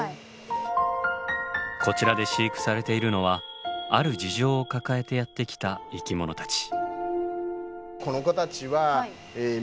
こちらで飼育されているのはある事情を抱えてやって来た生き物たち。